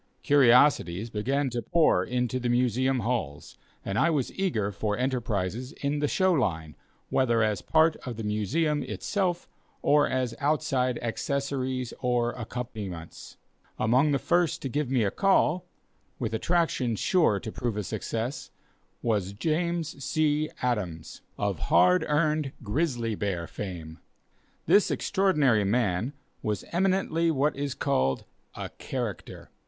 Curiosities began to pour into the Museum halls, and I was eager for enterprises in the show line, whether as part of the Museum itself, or as outside accessories or accompaniments. Among the first to give me a call, with attractions sure to prove a success, was James C. Adams, of hard earned, grizzly bear fame. This extraordinary man was eminently what is called "a character."